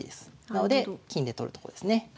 なので金で取るとこですね。